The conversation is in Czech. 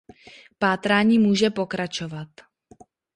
Pátrání může pokračovat.